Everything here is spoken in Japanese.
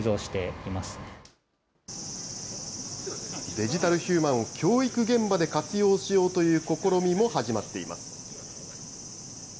デジタルヒューマンを教育現場で活用しようという試みも始まっています。